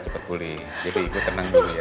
kuli jadi ikut tenang dulu ya